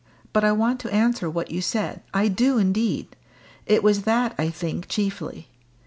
But I want to answer what you said I do indeed. It was that, I think, chiefly.